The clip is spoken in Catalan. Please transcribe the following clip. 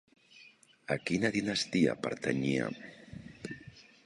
A quina dinastia pertanyia?